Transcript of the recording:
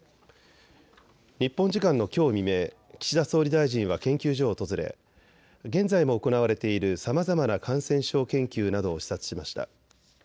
日本時間のきょう未明、岸田総理大臣は研究所を訪れ現在も行われているさまざまな感染症研究などを視察しました。